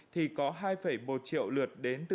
thì có hai một triệu lượt đến việt nam